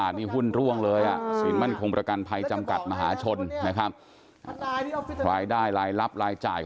ได้มั้ยฮะ